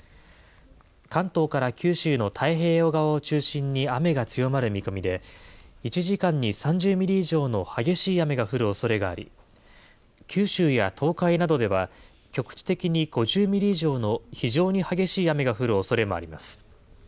関東から九州の太平洋側を中心に雨が強まる見込みで、１時間に３０ミリ以上の激しい雨が降るおそれがあり、九州や東海などでは、局地的に５０ミリ以上の非常に激しい雨が降るおそれもあります。